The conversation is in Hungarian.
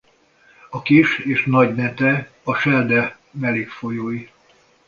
A Kis- és Nagy-Nete a Schelde mellékfolyói.